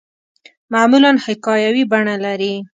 معمولاً حکایوي بڼه لري.